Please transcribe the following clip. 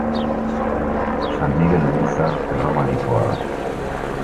San Migel eliza erromanikoa da.